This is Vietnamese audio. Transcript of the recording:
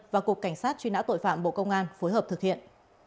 và cục cảnh sát chuyên ả tội phạm bộ công an phối hợp thực hiện